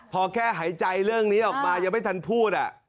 พอแค่หายใจเรื่องนี้ออกมายังไม่ทันพูด